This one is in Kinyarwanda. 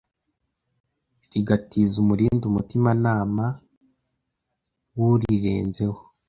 rigatiza umurindi umutimanama w’urirenzeho.